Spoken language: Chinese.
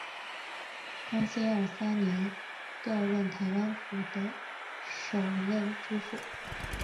康熙廿三年调任台湾府的首任知府。